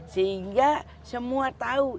sehingga semua tahu